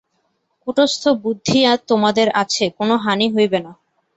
কূটস্থ বুদ্ধি তোমাদের আছে, কোন হানি হইবে না।